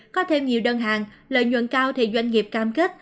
có thêm nhiều đơn hàng lợi nhuận cao thì doanh nghiệp cam kết